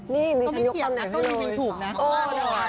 นี่มีฉันยกตำไหนให้เลย